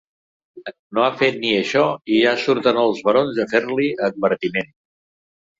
No ha fet ni això i ja surten els barons a fer-li advertiments.